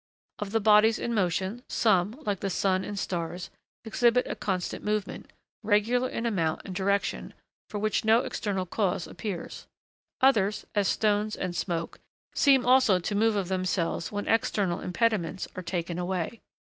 Of the bodies in motion, some, like the sun and stars, exhibit a constant movement, regular in amount and direction, for which no external cause appears. Others, as stones and smoke, seem also to move of themselves when external impediments are taken away.